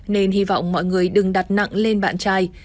nên hy vọng mọi người đừng đặt nặng lên bạn trai